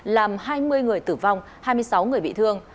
làm hai mươi người tử vong hai mươi sáu người bị thương